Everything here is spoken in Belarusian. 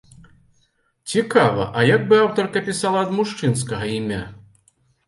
Цікава, а як бы аўтарка пісала ад мужчынскага імя?